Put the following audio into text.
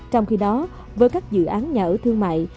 trong khi đó với các dự án nhà ở thương mại